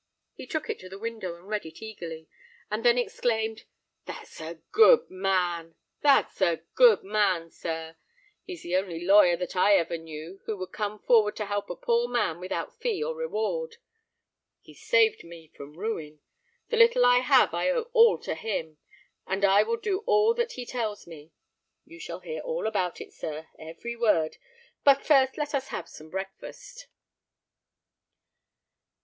He took it to the window and read it eagerly, and then exclaimed, "That's a good man, that's a good man, sir! He's the only lawyer that I ever knew who would come forward to help a poor man without fee or reward. He saved me from ruin. The little I have I owe all to him, and I will do all that he tells me. You shall hear all about it, sir; every word; but first let us have some breakfast."